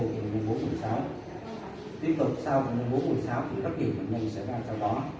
tiếp tục sau một mươi bốn một mươi sáu thì rất nhiều bệnh nhân sẽ ra sau đó